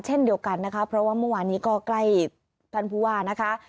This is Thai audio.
เช่นเดียวกันนะคะเพราะว่าเมื่อวานนี้ก็ใกล้ท่านผู้ว่านะคะ